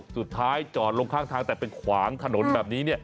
สุดท้ายจอดลงข้างทางแต่เป็นขวางถนนแบบนี้